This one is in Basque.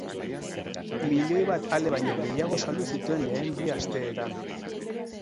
Milioi bat ale baino gehiago saldu zituen lehen bi asteetan.